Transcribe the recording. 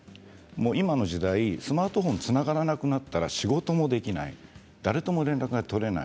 今の時代スマートフォンがつながらなくなったら仕事もできない誰とも連絡ができない。